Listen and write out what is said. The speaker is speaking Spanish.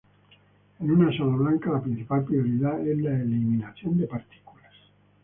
En una sala blanca la principal prioridad es la eliminación de partículas.